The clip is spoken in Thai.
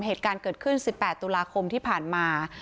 เหตุการณ์เกิดขึ้น๑๘ตุลาคมที่ผ่านมา